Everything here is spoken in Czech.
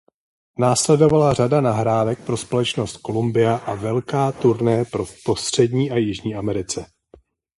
Následovala řada nahrávek pro společnost Columbia a velká turné po Střední a Jižní Americe.